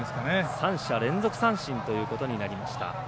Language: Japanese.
３者連続三振ということになりました。